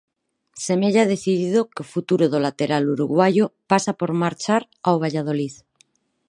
Semella decidido que o futuro do lateral uruguaio pasa por marchar ao Valladolid.